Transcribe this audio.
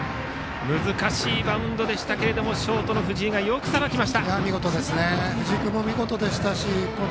難しいバウンドでしたがショートの藤井がよくさばきました。